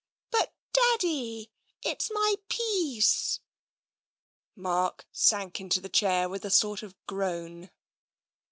But Daddy, it's my piece !" Mark sank into a chair with a sort of groan.